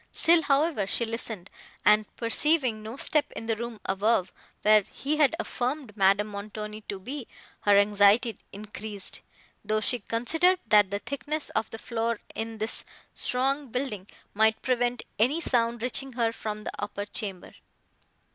Still, however, she listened, and, perceiving no step in the room above, where he had affirmed Madame Montoni to be, her anxiety increased, though she considered, that the thickness of the floor in this strong building might prevent any sound reaching her from the upper chamber.